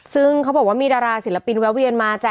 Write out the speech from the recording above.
ซึ่งเขาบอกว่ามีดาราศิลปินแวะเวียนมาจ้